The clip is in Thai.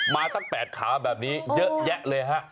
มาตั้ง๘ขาแบบนี้เยอะแยะเลยฮะ